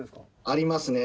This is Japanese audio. ありますね。